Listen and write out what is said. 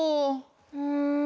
うん。